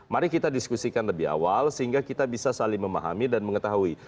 mari kita diskusikan lebih awal sehingga kita bisa saling memahami dan mengetahui